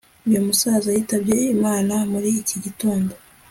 uyu musaza yitabye imana muri iki gitondo